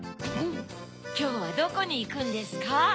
きょうはどこにいくんですか？